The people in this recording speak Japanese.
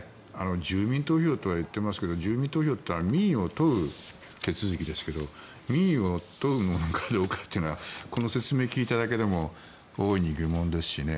住民投票とは言ってますけど住民投票というのは民意を問う手続きですが民意を問うものかどうかというのはこの説明を聞いただけでも大いに疑問ですしね。